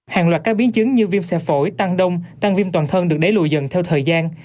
hàng loạt các biến chứng như viêm xe phổi tăng đông tăng viêm toàn thân được đẩy lùi dần theo thời gian